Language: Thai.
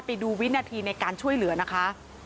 ไปดูวินาทีในการช่วยเหลือนะคะ